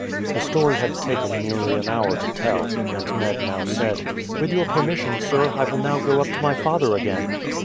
The story had taken nearly an hour to tell, and Ned now said: "With your permission, sir, I will now go up to my father again."